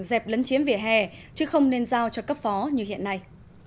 dẹp lấn chiếm vỉa hè chứ không nên giao cho cấp phó như hiện nay